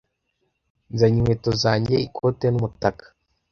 Nzanye inkweto zanjye, ikote n'umutaka.